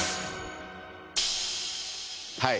はい。